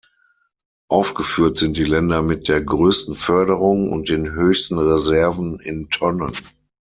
Aufgeführt sind die Länder mit der größten Förderung und den höchsten Reserven in Tonnen.